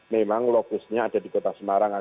memang lokusnya ada di kota semarang